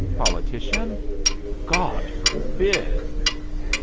"Politician?" "God forbid!"